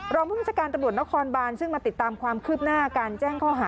รองผู้บัญชาการตำรวจนครบานซึ่งมาติดตามความคืบหน้าการแจ้งข้อหา